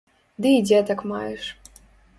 Ды і дзетак маеш.